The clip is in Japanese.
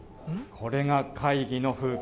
これが会議の風景。